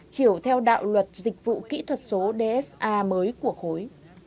chiều theo đạo luật dịch vụ kỹ thuật số dsa mới của khối